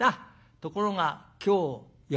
ところが今日休み。